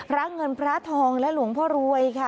พระเงินพระทองและหลวงพ่อรวยค่ะ